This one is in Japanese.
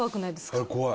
あれ怖い。